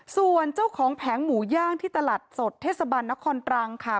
ส่วนเจ้าของแผงหมูย่างที่ตลาดสดเทศบาลนครตรังค่ะ